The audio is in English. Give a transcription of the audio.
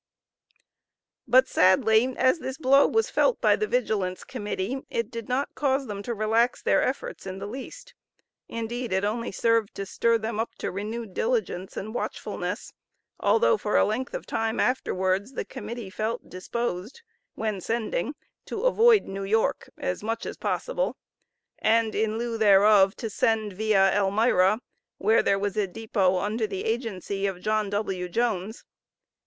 But sadly as this blow was felt by the Vigilance Committee, it did not cause them to relax their efforts in the least. Indeed it only served to stir them up to renewed diligence and watchfulness, although for a length of time afterwards the Committee felt disposed, when sending, to avoid New York as much as possible, and in lieu thereof, to send viâ Elmira, where there was a depot under the agency of John W. Jones.